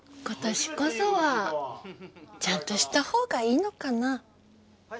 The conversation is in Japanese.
今年こそはちゃんとしたほうがいいのかな。